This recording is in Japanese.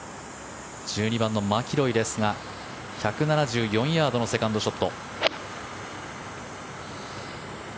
１２番のマキロイですが１７４ヤードのセカンドショット。